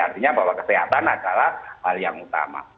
artinya bahwa kesehatan adalah hal yang utama